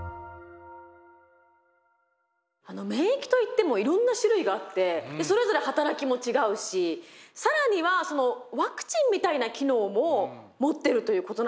免疫といってもいろんな種類があってそれぞれ働きも違うし更にはそのワクチンみたいな機能も持ってるということなんですね